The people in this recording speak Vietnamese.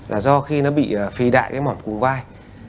là do khi nó bị phì đại mỏm cùng vai